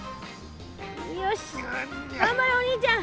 よしがんばれお兄ちゃん。